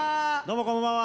こんばんは！